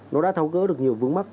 nó đã tháo gỡ được nhiều vướng mắt